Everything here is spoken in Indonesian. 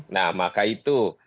nah maka itu